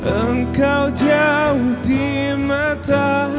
engkau jauh di mata